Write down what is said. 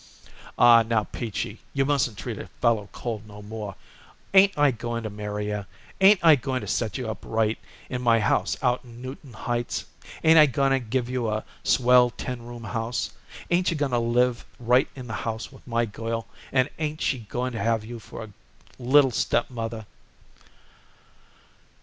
"Aw, now, Peachy, you mustn't treat a fellow cold no more! Ain't I going to marry you? Ain't I going to set you up right in my house out in Newton Heights? Ain't I going to give you a swell ten room house? Ain't you going to live right in the house with my girl, and ain't she going to have you for a little stepmother?"